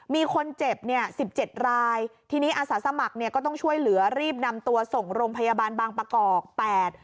มีคนเจ็บเนี่ยสิบเจ็ดรายทีนี้อาสาสมัครเนี่ยก็ต้องช่วยเหลือรีบนำตัวส่งโรงพยาบาลบางประกอบแปด